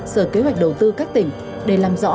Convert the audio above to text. sở kế hoạch đầu tư các tỉnh để làm rõ